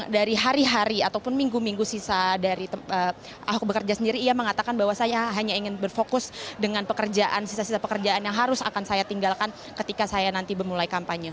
dari hari hari ataupun minggu minggu sisa dari ahok bekerja sendiri ia mengatakan bahwa saya hanya ingin berfokus dengan pekerjaan sisa sisa pekerjaan yang harus akan saya tinggalkan ketika saya nanti memulai kampanye